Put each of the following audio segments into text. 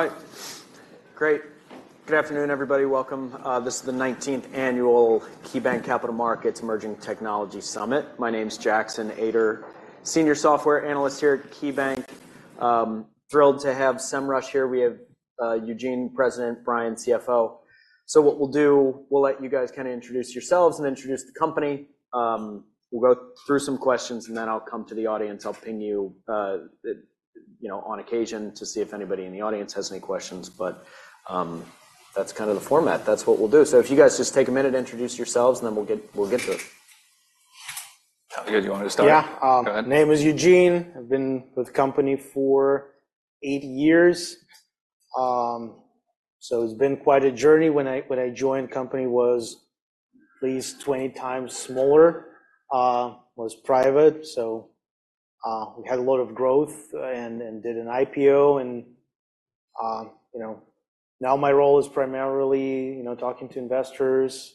All right. Great. Good afternoon, everybody. Welcome, this is the nineteenth annual KeyBank Capital Markets Emerging Technology Summit. My name is Jackson Ader, Senior Software Analyst here at KeyBank. Thrilled to have Semrush here. We have Eugene, President, Brian, CFO. So what we'll do, we'll let you guys kind of introduce yourselves and introduce the company. We'll go through some questions, and then I'll come to the audience. I'll ping you, you know, on occasion to see if anybody in the audience has any questions. But, that's kind of the format. That's what we'll do. So if you guys just take a minute, introduce yourselves, and then we'll get to it. You want me to start? Yeah. Go ahead. Name is Eugene. I've been with the company for eight years. So it's been quite a journey. When I joined, the company was at least 20 times smaller, was private, so we had a lot of growth and did an IPO and, you know, now my role is primarily, you know, talking to investors,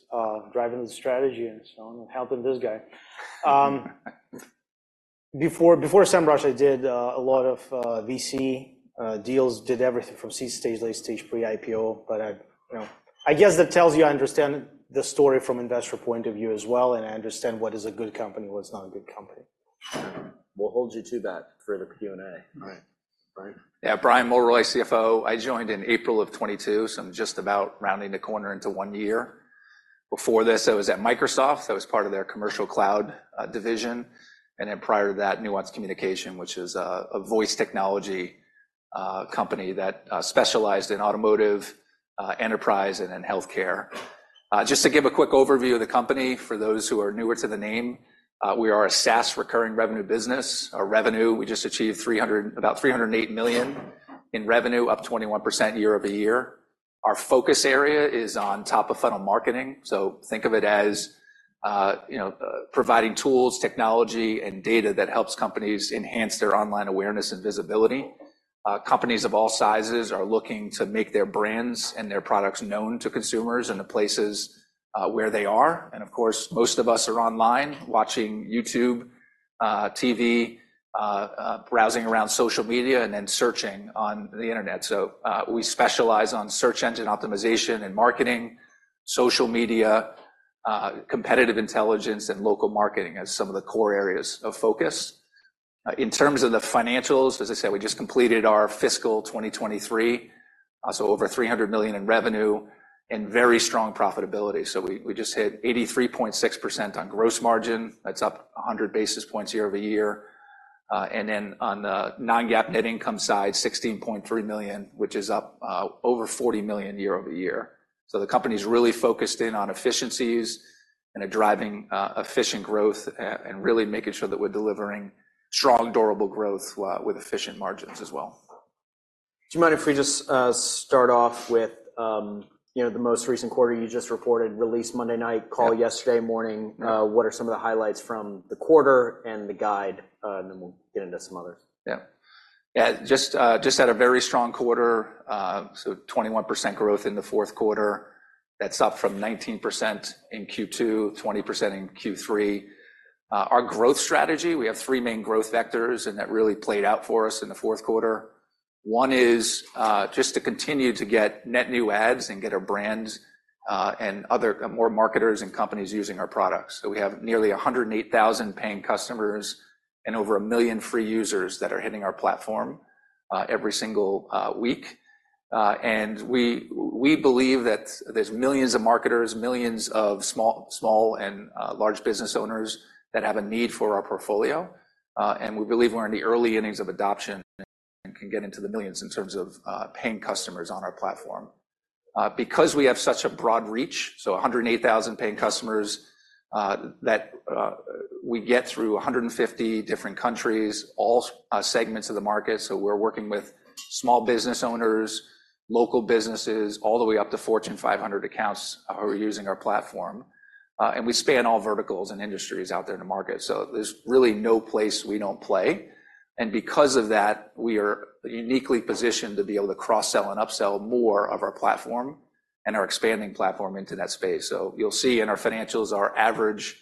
driving the strategy and so on, and helping this guy. Before Semrush, I did a lot of VC deals. Did everything from seed stage, late stage, pre-IPO, but I, you know, I guess that tells you I understand the story from investor point of view as well, and I understand what is a good company, what is not a good company. We'll hold you to that for the Q&A. All right. Brian? Yeah, Brian Mulroy, CFO. I joined in April of 2022, so I'm just about rounding the corner into one year. Before this, I was at Microsoft. I was part of their commercial cloud division, and then prior to that, Nuance Communications, which is a voice technology company that specialized in automotive, enterprise, and in healthcare. Just to give a quick overview of the company, for those who are newer to the name, we are a SaaS recurring revenue business. Our revenue, we just achieved about $308 million in revenue, up 21% year-over-year. Our focus area is on top-of-funnel marketing. So think of it as, you know, providing tools, technology, and data that helps companies enhance their online awareness and visibility. Companies of all sizes are looking to make their brands and their products known to consumers in the places where they are. And of course, most of us are online watching YouTube, TV, browsing around social media, and then searching on the internet. So, we specialize on search engine optimization and marketing, social media, competitive intelligence, and local marketing as some of the core areas of focus. In terms of the financials, as I said, we just completed our fiscal 2023, so over $300 million in revenue and very strong profitability. So we just hit 83.6% on gross margin. That's up 100 basis points year-over-year. And then on the non-GAAP net income side, $16.3 million, which is up over $40 million year-over-year. So the company's really focused in on efficiencies and are driving efficient growth and really making sure that we're delivering strong, durable growth with efficient margins as well. Do you mind if we just start off with, you know, the most recent quarter you just reported? Release Monday night- Yeah. call yesterday morning. Yeah. What are some of the highlights from the quarter and the guide? And then we'll get into some others. Yeah. Yeah, just had a very strong quarter. So 21% growth in the fourth quarter. That's up from 19% in Q2, 20% in Q3. Our growth strategy, we have three main growth vectors, and that really played out for us in the fourth quarter. One is just to continue to get net new adds and get our brands and other more marketers and companies using our products. So we have nearly 108,000 paying customers and over 1 million free users that are hitting our platform every single week. And we believe that there's millions of marketers, millions of small and large business owners that have a need for our portfolio. And we believe we're in the early innings of adoption and can get into the millions in terms of paying customers on our platform. Because we have such a broad reach, so 108,000 paying customers that we get through 150 different countries, all segments of the market. So we're working with small business owners, local businesses, all the way up to Fortune 500 accounts are using our platform. And we span all verticals and industries out there in the market, so there's really no place we don't play, and because of that, we are uniquely positioned to be able to cross-sell and upsell more of our platform and our expanding platform into that space. So you'll see in our financials, our average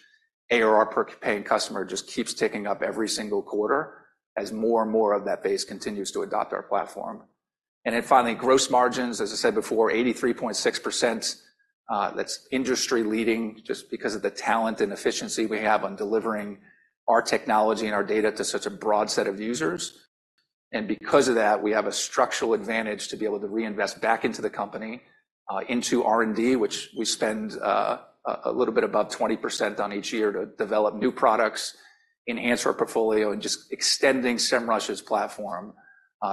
ARR per paying customer just keeps ticking up every single quarter as more and more of that base continues to adopt our platform. And then finally, gross margins, as I said before, 83.6%. That's industry-leading just because of the talent and efficiency we have on delivering our technology and our data to such a broad set of users. And because of that, we have a structural advantage to be able to reinvest back into the company, into R&D, which we spend a little bit above 20% on each year to develop new products, enhance our portfolio, and just extending Semrush's platform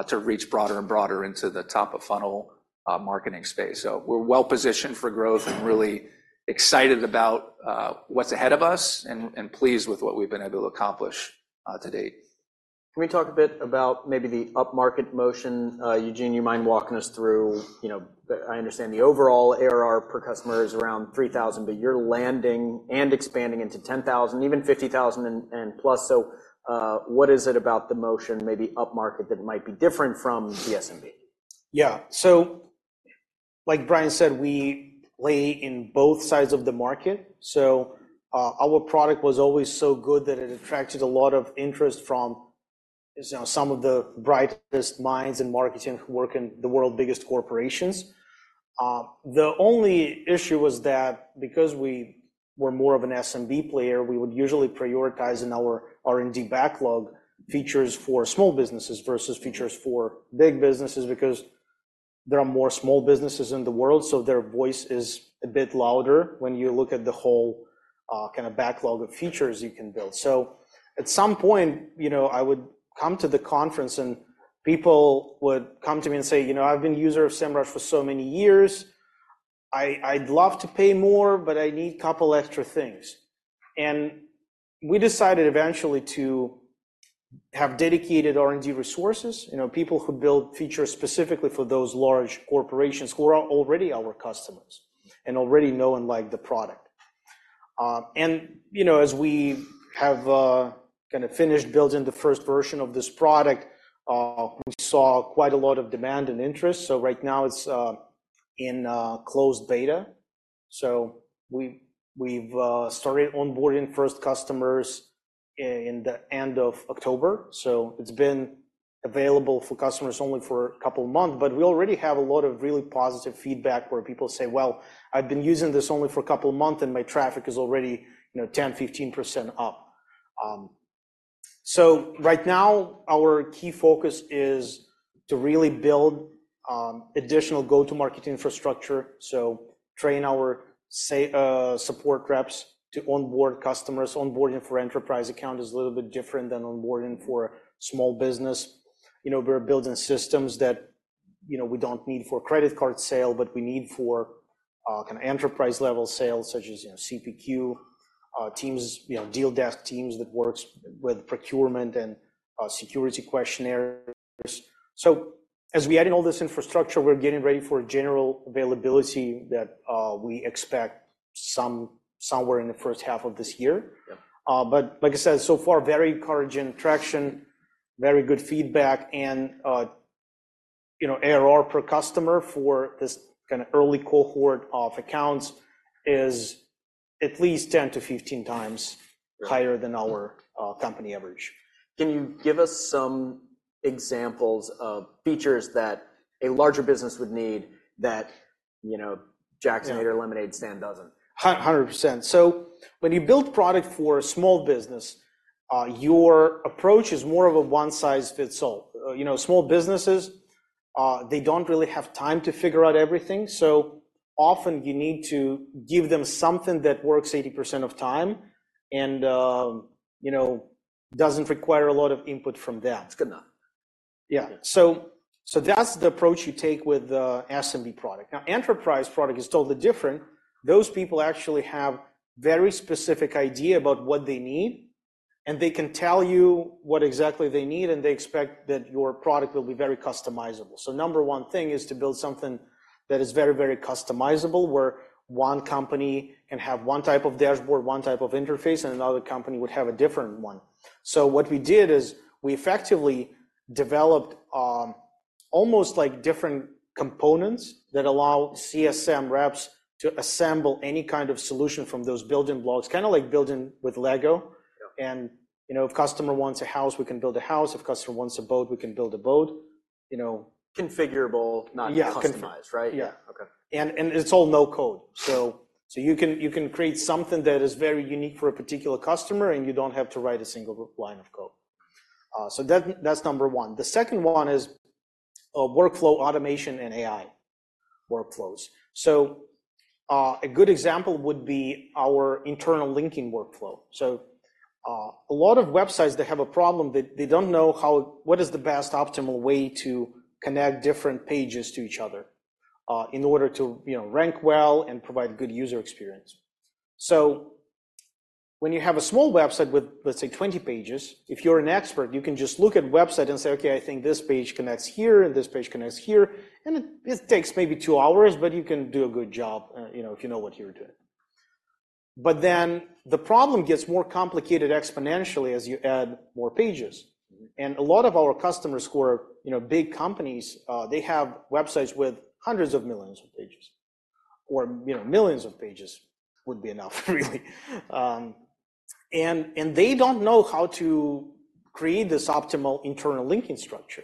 to reach broader and broader into the top-of-funnel marketing space. So we're well positioned for growth and really excited about what's ahead of us and pleased with what we've been able to accomplish to date. Can we talk a bit about maybe the up-market motion? Eugene, you mind walking us through... You know, I understand the overall ARR per customer is around $3,000, but you're landing and expanding into $10,000, even $50,000 and, and plus. So, what is it about the motion, maybe up-market, that might be different from the SMB? Yeah. Like Brian said, we play in both sides of the market. So, our product was always so good that it attracted a lot of interest from, you know, some of the brightest minds in marketing who work in the world's biggest corporations. The only issue was that because we were more of an SMB player, we would usually prioritize in our R&D backlog features for small businesses versus features for big businesses, because there are more small businesses in the world, so their voice is a bit louder when you look at the whole, kind of backlog of features you can build. So at some point, you know, I would come to the conference, and people would come to me and say, "You know, I've been a user of Semrush for so many years. I'd love to pay more, but I need a couple extra things." And we decided eventually to have dedicated R&D resources, you know, people who build features specifically for those large corporations who are already our customers and already know and like the product. And, you know, as we have kind of finished building the first version of this product, we saw quite a lot of demand and interest. So right now it's in closed beta. So we've started onboarding first customers in the end of October, so it's been available for customers only for a couple of months. But we already have a lot of really positive feedback, where people say, "Well, I've been using this only for a couple of months, and my traffic is already, you know, 10%-15% up." So right now, our key focus is to really build additional go-to-market infrastructure, so train our support reps to onboard customers. Onboarding for enterprise account is a little bit different than onboarding for a small business. You know, we're building systems that, you know, we don't need for credit card sale, but we need for kind of enterprise-level sales, such as, you know, CPQ, teams, you know, deal desk teams that works with procurement and security questionnaires. So as we add in all this infrastructure, we're getting ready for general availability that we expect somewhere in the first half of this year. Yeah. But like I said, so far, very encouraging traction, very good feedback, and, you know, ARR per customer for this kind of early cohort of accounts is at least 10-15x Yeah... higher than our company average. Can you give us some examples of features that a larger business would need that, you know? Yeah... Jack's neighbor lemonade stand doesn't? Hundred percent. So when you build product for a small business, your approach is more of a one-size-fits-all. You know, small businesses, they don't really have time to figure out everything, so often you need to give them something that works 80% of time and, you know, doesn't require a lot of input from them. It's good enough. Yeah. Yeah. So, so that's the approach you take with the SMB product. Now, enterprise product is totally different. Those people actually have very specific idea about what they need, and they can tell you what exactly they need, and they expect that your product will be very customizable. So number one thing is to build something that is very, very customizable, where one company can have one type of dashboard, one type of interface, and another company would have a different one. So what we did is, we effectively developed almost like different components that allow CSM reps to assemble any kind of solution from those building blocks, kind of like building with Lego. Yeah. You know, if customer wants a house, we can build a house. If customer wants a boat, we can build a boat. You know? Configurable, not customized- Yeah, con- Right? Yeah. Okay. It's all no code. So you can create something that is very unique for a particular customer, and you don't have to write a single line of code. So that's number one. The second one is workflow automation and AI workflows. So a good example would be our internal linking workflow. So a lot of websites have a problem that they don't know how... what is the best optimal way to connect different pages to each other, in order to, you know, rank well and provide good user experience. So when you have a small website with, let's say, 20 pages, if you're an expert, you can just look at website and say, "Okay, I think this page connects here, and this page connects here," and it, it takes maybe 2 hours, but you can do a good job, you know, if you know what you're doing. But then the problem gets more complicated exponentially as you add more pages. Mm. A lot of our customers who are, you know, big companies, they have websites with hundreds of millions of pages, or, you know, millions of pages would be enough, really. And they don't know how to create this optimal internal linking structure.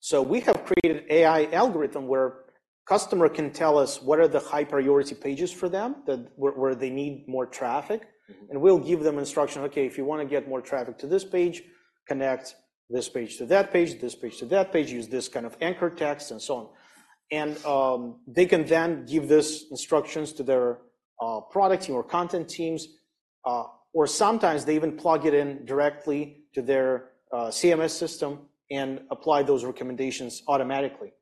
So we have created AI algorithm where customer can tell us what are the high-priority pages for them, that where, where they need more traffic. Mm-hmm. We'll give them instruction, "Okay, if you want to get more traffic to this page, connect this page to that page, this page to that page. Use this kind of anchor text," and so on. They can then give this instructions to their product team or content teams, or sometimes they even plug it in directly to their CMS system and apply those recommendations automatically.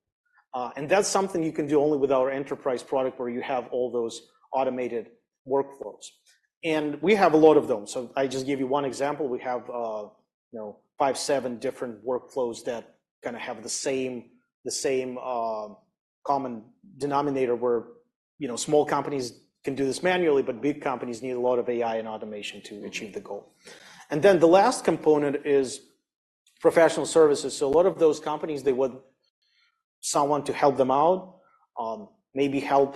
That's something you can do only with our enterprise product, where you have all those automated workflows, and we have a lot of them. So I just give you one example. We have, you know, 5, 7 different workflows that kind of have the same, the same common denominator, where, you know, small companies can do this manually, but big companies need a lot of AI and automation to achieve the goal. Then the last component is professional services. So a lot of those companies, they want someone to help them out, maybe help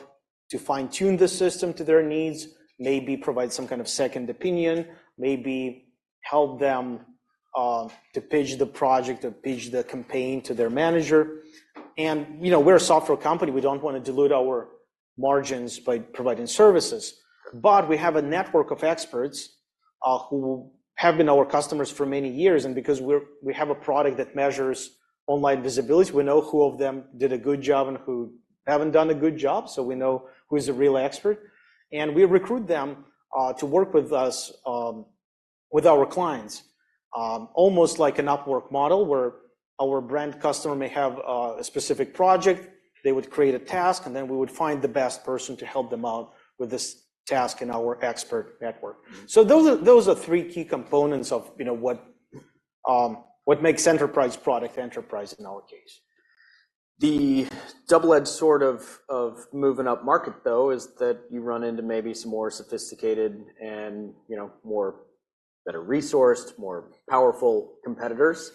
to fine-tune the system to their needs, maybe provide some kind of second opinion, maybe help them to pitch the project or pitch the campaign to their manager. And, you know, we're a software company. We don't want to dilute our margins by providing services, but we have a network of experts who have been our customers for many years. And because we have a product that measures online visibility, we know who of them did a good job and who haven't done a good job, so we know who is a real expert. And we recruit them to work with us with our clients. Almost like an Upwork model, where our brand customer may have a specific project. They would create a task, and then we would find the best person to help them out with this task in our expert network. So those are, those are three key components of, you know, what, what makes enterprise product enterprise in our case. The double-edged sword of moving upmarket, though, is that you run into maybe some more sophisticated and, you know, more better resourced, more powerful competitors.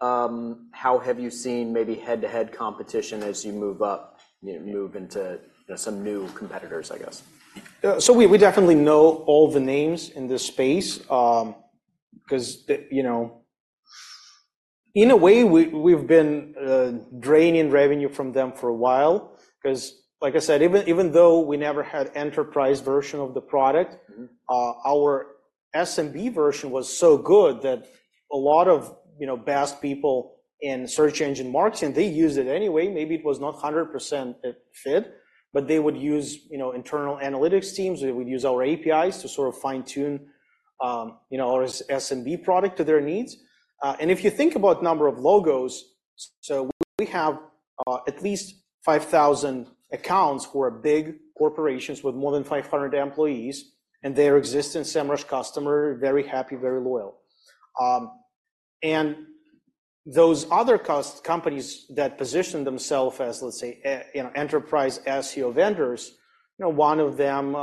How have you seen maybe head-to-head competition as you move up, you know, move into, you know, some new competitors, I guess? So we definitely know all the names in this space, 'cause, you know... In a way, we've been draining revenue from them for a while. 'Cause like I said, even though we never had enterprise version of the product- Mm-hmm Our SMB version was so good that a lot of, you know, best people in search engine marketing, they used it anyway. Maybe it was not 100% it fit, but they would use, you know, internal analytics teams. They would use our APIs to sort of fine-tune, you know, our SMB product to their needs. If you think about number of logos, so we have at least 5,000 accounts who are big corporations with more than 500 employees, and they are existing Semrush customer, very happy, very loyal. Those other companies that position themselves as, let's say, a, you know, enterprise SEO vendors, you know, one of them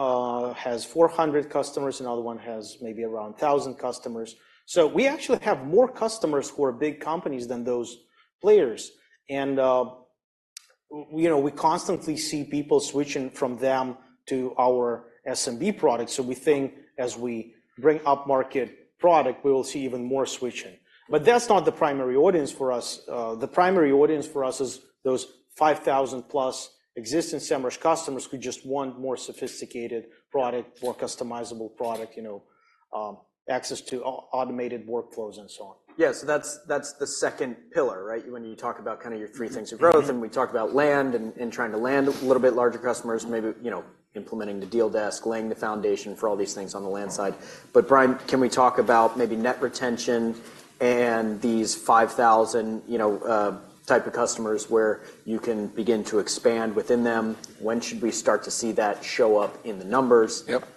has 400 customers, another one has maybe around 1,000 customers. So we actually have more customers who are big companies than those players. You know, we constantly see people switching from them to our SMB product, so we think as we bring upmarket product, we will see even more switching. But that's not the primary audience for us. The primary audience for us is those 5,000-plus existing Semrush customers who just want more sophisticated product, more customizable product, you know, access to automated workflows, and so on. Yeah, so that's, that's the second pillar, right? When you talk about kind of your three things of growth, and we talked about land and, and trying to land a little bit larger customers, maybe, you know, implementing the deal desk, laying the foundation for all these things on the land side. But, Brian, can we talk about maybe net retention and these 5,000, you know, type of customers where you can begin to expand within them? When should we start to see that show up in the numbers? Yep.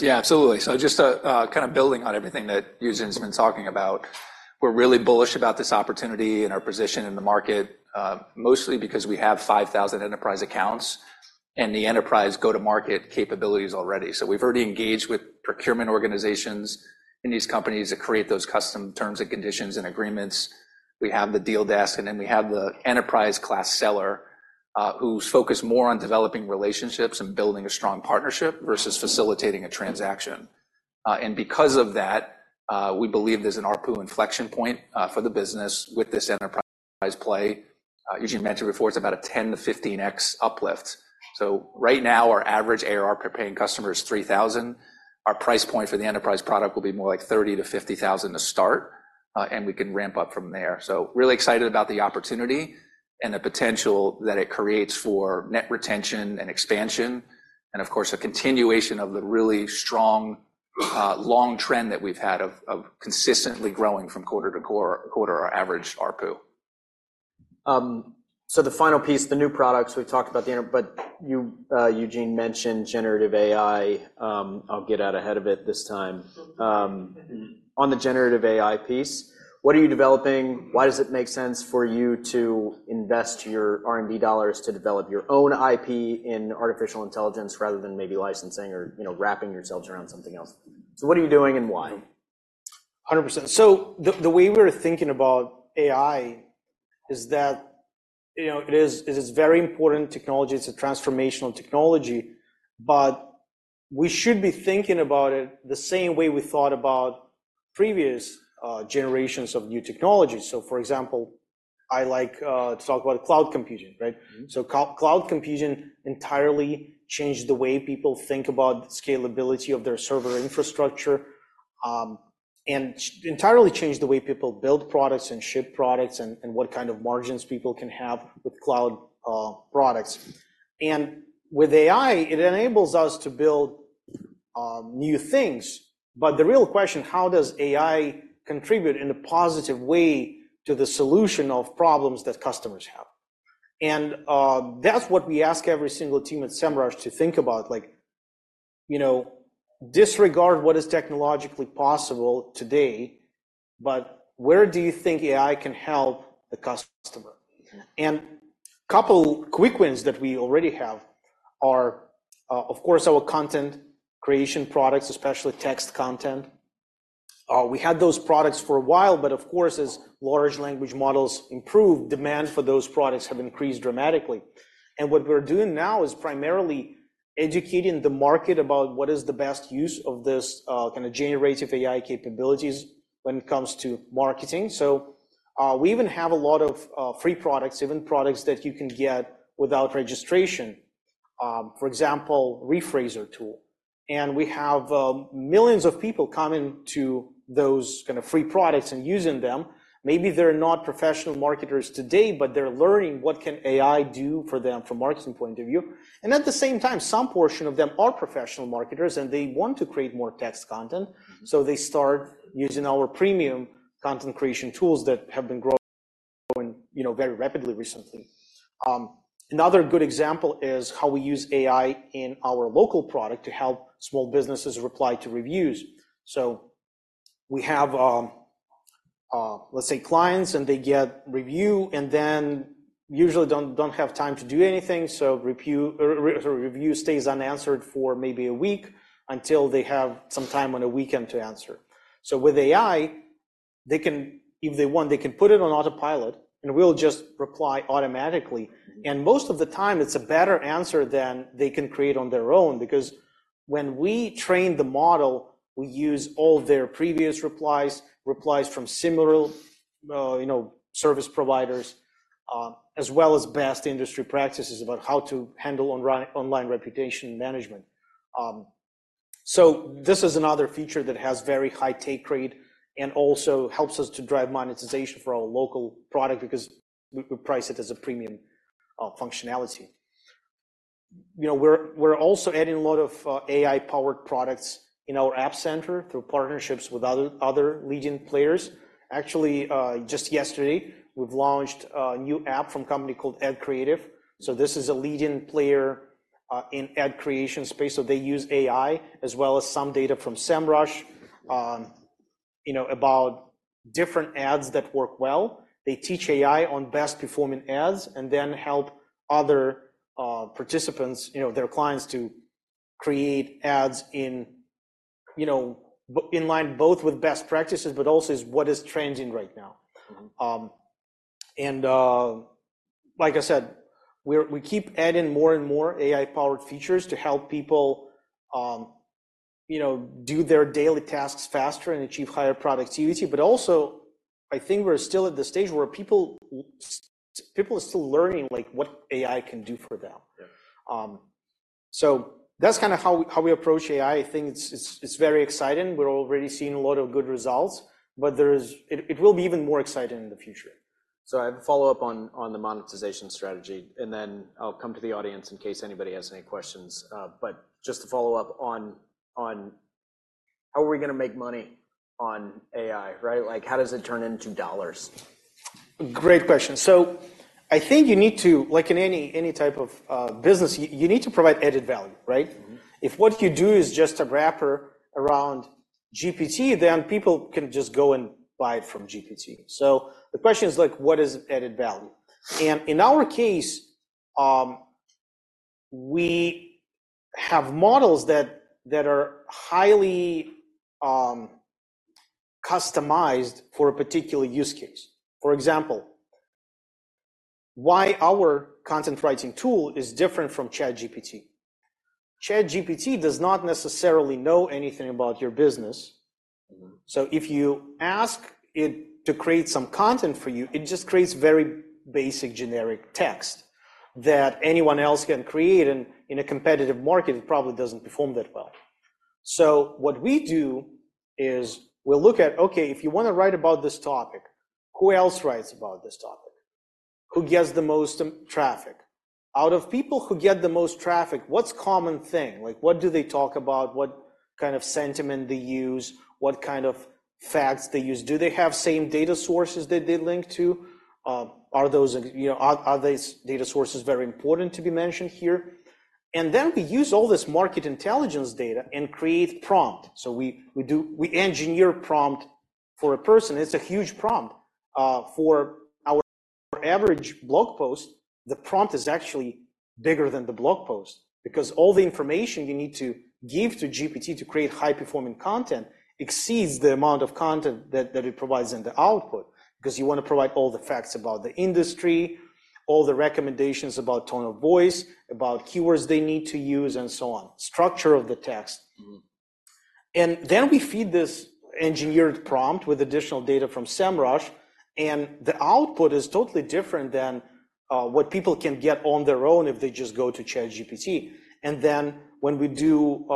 Yeah, absolutely. So just kind of building on everything that Eugene's been talking about, we're really bullish about this opportunity and our position in the market, mostly because we have 5,000 enterprise accounts and the enterprise go-to-market capabilities already. So we've already engaged with procurement organizations in these companies to create those custom terms and conditions and agreements. We have the deal desk, and then we have the enterprise-class seller who's focused more on developing relationships and building a strong partnership versus facilitating a transaction. And because of that, we believe there's an ARPU inflection point for the business with this enterprise play. As you mentioned before, it's about a 10-15x uplift. So right now, our average ARR per paying customer is $3,000. Our price point for the enterprise product will be more like $30,000-$50,000 to start, and we can ramp up from there. So really excited about the opportunity and the potential that it creates for net retention and expansion and, of course, a continuation of the really strong, long trend that we've had of consistently growing from quarter to quarter, our average ARPU. So the final piece, the new products, we've talked about but you, Eugene mentioned Generative AI. I'll get out ahead of it this time. On the Generative AI piece, what are you developing? Why does it make sense for you to invest your R&D dollars to develop your own IP in artificial intelligence rather than maybe licensing or, you know, wrapping yourselves around something else? So what are you doing, and why? 100%. So the, the way we're thinking about AI is that, you know, it is, it is very important technology. It's a transformational technology, but we should be thinking about it the same way we thought about previous generations of new technology. So for example, I like to talk about cloud computing, right? Mm-hmm. So cloud computing entirely changed the way people think about scalability of their server infrastructure, and entirely changed the way people build products and ship products and what kind of margins people can have with cloud products. And with AI, it enables us to build new things. But the real question: How does AI contribute in a positive way to the solution of problems that customers have? And that's what we ask every single team at Semrush to think about. Like, you know, disregard what is technologically possible today, but where do you think AI can help the customer? And couple quick wins that we already have are, of course, our content creation products, especially text content. We had those products for a while, but of course, as large language models improve, demand for those products have increased dramatically. What we're doing now is primarily educating the market about what is the best use of this kind of generative AI capabilities when it comes to marketing. So, we even have a lot of free products, even products that you can get without registration. For example, paraphrasing tool. And we have millions of people coming to those kind of free products and using them. Maybe they're not professional marketers today, but they're learning what can AI do for them from marketing point of view. And at the same time, some portion of them are professional marketers, and they want to create more text content, so they start using our premium content creation tools that have been growing, you know, very rapidly recently. Another good example is how we use AI in our local product to help small businesses reply to reviews. So we have, let's say, clients, and they get review, and then usually don't have time to do anything, so review, review stays unanswered for maybe a week until they have some time on a weekend to answer. So with AI, they can, if they want, they can put it on autopilot, and it will just reply automatically. And most of the time, it's a better answer than they can create on their own because when we train the model, we use all their previous replies, replies from similar, you know, service providers, as well as best industry practices about how to handle online reputation management. So this is another feature that has very high take rate and also helps us to drive monetization for our local product because we price it as a premium functionality. You know, we're also adding a lot of AI-powered products in our App Center through partnerships with other leading players. Actually, just yesterday, we've launched a new app from company called AdCreative. So this is a leading player in ad creation space, so they use AI as well as some data from Semrush, you know, about different ads that work well. They teach AI on best-performing ads and then help other participants, you know, their clients to create ads in, you know, in line both with best practices, but also is what is trending right now. Like I said, we keep adding more and more AI-powered features to help people, you know, do their daily tasks faster and achieve higher productivity. But also, I think we're still at the stage where people are still learning, like, what AI can do for them. Yeah. So that's kind of how we approach AI. I think it's very exciting. We're already seeing a lot of good results, but there is... It will be even more exciting in the future. I have a follow-up on, on the monetization strategy, and then I'll come to the audience in case anybody has any questions. But just to follow up on, on how are we gonna make money on AI, right? Like, how does it turn into dollars? Great question. So I think you need to, like in any type of business, you need to provide added value, right? Mm-hmm. If what you do is just a wrapper around GPT, then people can just go and buy it from GPT. So the question is, like, what is added value? And in our case, we have models that are highly customized for a particular use case. For example, why our content writing tool is different from ChatGPT. ChatGPT does not necessarily know anything about your business. Mm-hmm. So if you ask it to create some content for you, it just creates very basic, generic text that anyone else can create, and in a competitive market, it probably doesn't perform that well. So what we do is we'll look at, okay, if you want to write about this topic, who else writes about this topic? Who gets the most traffic? Out of people who get the most traffic, what's common thing? Like, what do they talk about? What kind of sentiment they use, what kind of facts they use. Do they have same data sources that they link to? Are those, you know, are these data sources very important to be mentioned here? And then we use all this market intelligence data and create prompt. So we do, we engineer prompt for a person. It's a huge prompt. For our average blog post, the prompt is actually bigger than the blog post because all the information you need to give to GPT to create high-performing content exceeds the amount of content that it provides in the output. 'Cause you want to provide all the facts about the industry, all the recommendations about tone of voice, about keywords they need to use, and so on, structure of the text. Mm-hmm. And then we feed this engineered prompt with additional data from Semrush, and the output is totally different than what people can get on their own if they just go to ChatGPT. And then when we do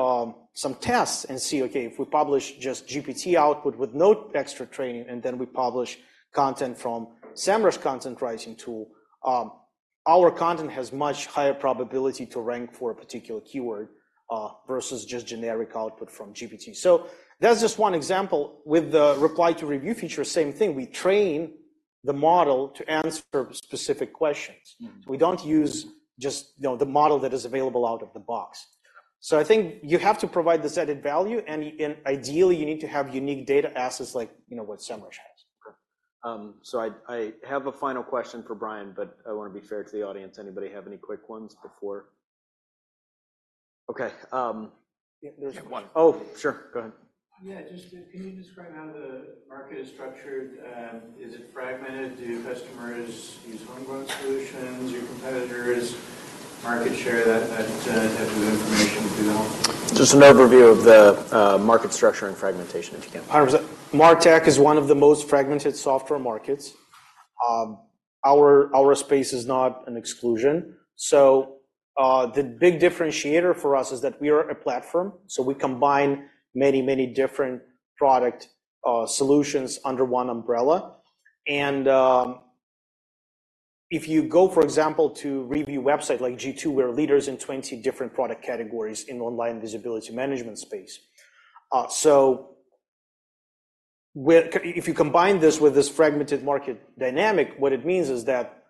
some tests and see, okay, if we publish just GPT output with no extra training, and then we publish content from Semrush content writing tool, our content has much higher probability to rank for a particular keyword versus just generic output from GPT. So that's just one example. With the reply to review feature, same thing. We train the model to answer specific questions. Mm-hmm. We don't use just, you know, the model that is available out of the box. So I think you have to provide this added value, and ideally, you need to have unique data assets like, you know, what Semrush has.... so I, I have a final question for Brian, but I want to be fair to the audience. Anybody have any quick ones before? Okay, there's one. Oh, sure. Go ahead. Yeah, just can you describe how the market is structured? Is it fragmented? Do customers use homegrown solutions, your competitors, market share, that type of information if you know? Just an overview of the market structure and fragmentation, if you can. 100%. MarTech is one of the most fragmented software markets. Our space is not an exclusion. So, the big differentiator for us is that we are a platform, so we combine many, many different product solutions under one umbrella. And, if you go, for example, to review website like G2, we're leaders in 20 different product categories in online visibility management space. So, if you combine this with this fragmented market dynamic, what it means is that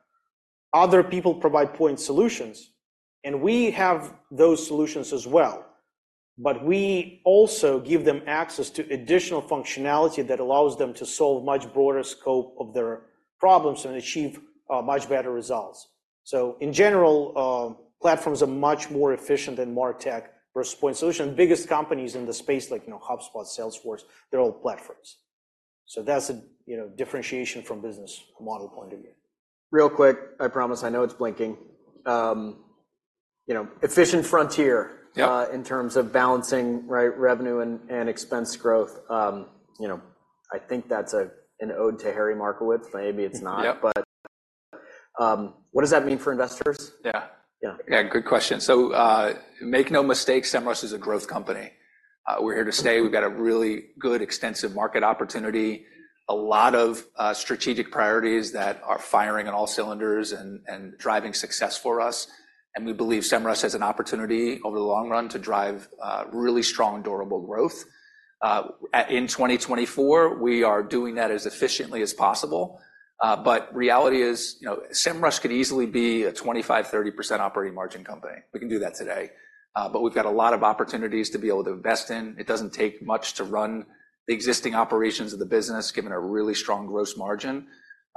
other people provide point solutions, and we have those solutions as well, but we also give them access to additional functionality that allows them to solve much broader scope of their problems and achieve much better results. So in general, platforms are much more efficient than MarTech versus point solution. Biggest companies in the space, like, you know, HubSpot, Salesforce, they're all platforms. So that's a, you know, differentiation from business model point of view. Real quick, I promise. I know it's blinking. You know, efficient frontier- Yeah. In terms of balancing, right, revenue and expense growth, you know, I think that's an ode to Harry Markowitz. Maybe it's not. Yep. But, what does that mean for investors? Yeah. Yeah. Yeah, good question. So, make no mistake, Semrush is a growth company. We're here to stay. We've got a really good, extensive market opportunity, a lot of strategic priorities that are firing on all cylinders and, and driving success for us, and we believe Semrush has an opportunity over the long run to drive really strong, durable growth. In 2024, we are doing that as efficiently as possible, but reality is, you know, Semrush could easily be a 25%-30% operating margin company. We can do that today, but we've got a lot of opportunities to be able to invest in. It doesn't take much to run the existing operations of the business, given our really strong gross margin.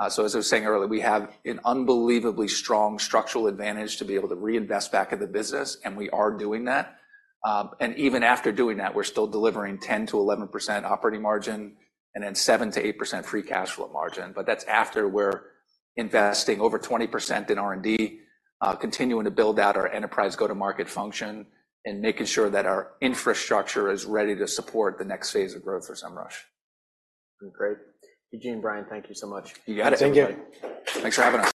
So as I was saying earlier, we have an unbelievably strong structural advantage to be able to reinvest back in the business, and we are doing that. And even after doing that, we're still delivering 10%-11% operating margin and then 7%-8% free cash flow margin, but that's after we're investing over 20% in R&D, continuing to build out our enterprise go-to-market function and making sure that our infrastructure is ready to support the next phase of growth for Semrush. Great. Eugene, Brian, thank you so much. You got it. Thank you. Thanks for having us.